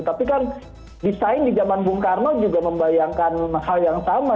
tapi kan desain di zaman bung karno juga membayangkan hal yang sama